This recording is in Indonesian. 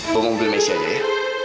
gue mau beli mesin aja ya